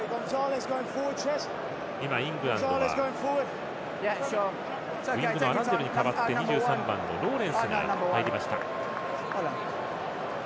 今、イングランドはウイングのアランデルに代わって２３番のローレンスが入りました。